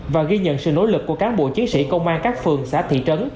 và ghi nhận sự nỗ lực của cán bộ chiến sĩ công an các phường xã thị trấn